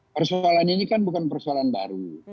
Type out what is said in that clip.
persoalan ini kan bukan persoalan baru